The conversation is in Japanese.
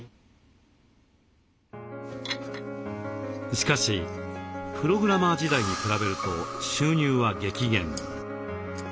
しかしプログラマー時代に比べると収入は激減。